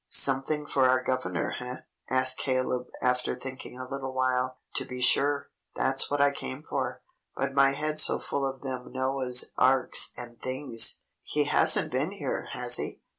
"Something for our governor, eh?" asked Caleb after thinking a little while. "To be sure. That's what I came for; but my head's so full of them Noah's Arks and things! He hasn't been here, has he?"